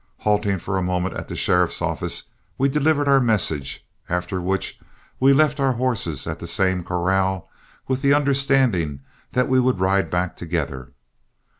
Halting for a moment at the sheriff's office, we delivered our messages, after which we left our horses at the same corral with the understanding that we would ride back together.